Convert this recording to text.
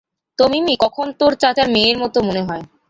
তো মিমি কখন তোর চাচার মেয়ের মতো মনে হয়।